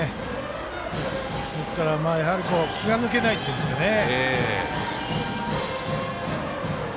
ですから、やはり気が抜けないっていうんですかね。